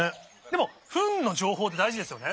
でもフンの情報って大事ですよね。